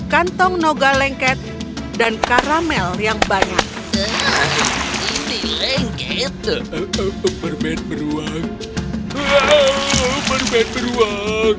kantong noga lengket dan karamel yang banyak di lengket permen beruang permen beruang